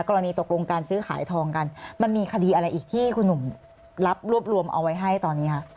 กรณีตกลงการซื้อขายทองกันมันมีคดีอะไรอีกที่คุณหนุ่มรับรวบรวมเอาไว้ให้ตอนนี้คะ